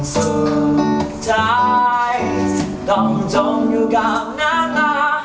สุขใจต้องจมอยู่กับหน้าตา